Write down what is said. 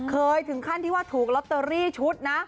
ถึงขั้นที่ว่าถูกลอตเตอรี่ชุดนะ